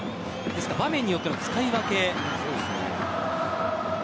場面によっての使い分けですね。